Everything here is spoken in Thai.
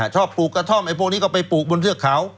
ปลูกกระท่อมไอ้พวกนี้ก็ไปปลูกบนเทือกเขา